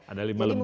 ada lima lembaga